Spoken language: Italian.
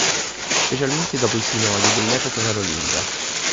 Specialmente dopo i sinodi dell'epoca carolingia